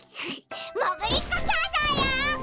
もぐりっこきょうそうよ！